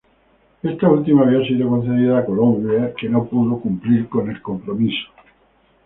Esta última había sido concedida a Colombia, que no pudo cumplir con el compromiso.